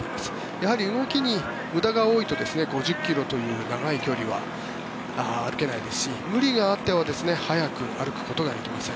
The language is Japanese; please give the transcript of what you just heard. やはり動きに無駄が多いと５０ｋｍという長い距離は歩けないですし無理があっては速く歩くことができません。